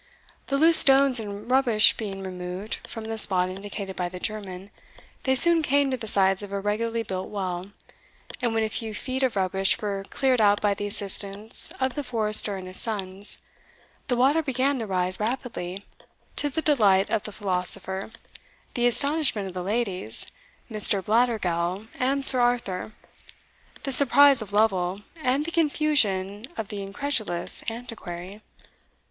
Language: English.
The loose stones and rubbish being removed from the spot indicated by the German, they soon came to the sides of a regularly built well; and when a few feet of rubbish were cleared out by the assistance of the forester and his sons, the water began to rise rapidly, to the delight of the philosopher, the astonishment of the ladies, Mr. Blattergowl, and Sir Arthur, the surprise of Lovel, and the confusion of the incredulous Antiquary.